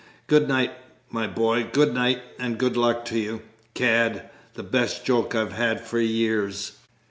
Good night, my boy, good night, and good luck to you. Gad, the best joke I've had for years!"